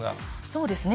そうですね。